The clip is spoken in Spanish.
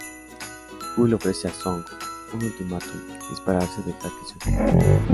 Wu le ofrece a Zhong un ultimátum: dispararse o dejar que su hija muera.